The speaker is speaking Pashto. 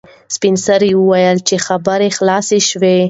سپین سرې وویل چې خبره خلاصه شوه.